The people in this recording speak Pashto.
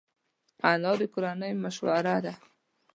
انا د کورنۍ مشوره ده